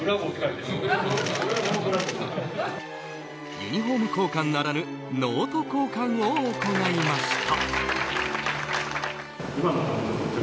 ユニホーム交換ならぬノート交換を行いました。